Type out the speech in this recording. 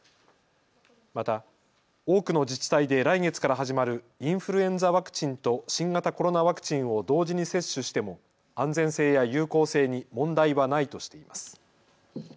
また、多くの自治体で来月から始まるインフルエンザワクチンと新型コロナワクチンを同時に接種しても安全性や有効性に問題はないとしています。